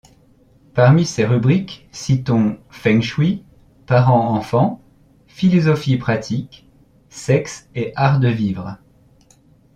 Parmi ces rubriques citons Feng Shui, Parents-enfants, Philosophie pratique, Sexe et Art de vivre.